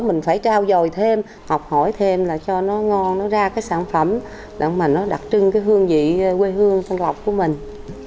mình phải trao dòi thêm học hỏi thêm là cho nó ngon nó ra cái sản phẩm mà nó đặc trưng cái hương vị quê hương tân lộc của mình